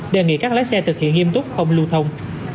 đề nghị các lái xe thực hiện nghiêm túc không lưu thông